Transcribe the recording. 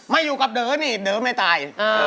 ไม่อยู่กับเดอนี่เด๋อไม่ตาย